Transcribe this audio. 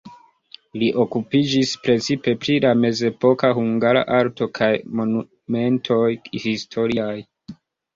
Li okupiĝis precipe pri la mezepoka hungara arto kaj monumentoj historiaj.